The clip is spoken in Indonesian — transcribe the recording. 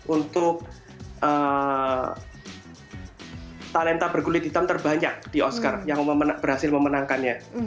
untuk talenta berkulit hitam terbanyak di oscar yang berhasil memenangkannya